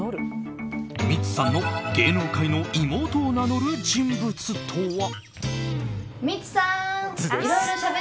ミッツさんの芸能界の妹を名乗る人物とは。